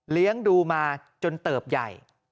เลี้ยงดูมาจนเติบใหญ่